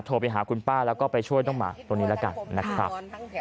โทรไปหาคุณป้าแล้วก็ไปช่วยน้องหมาตัวนี้แล้วกันนะครับ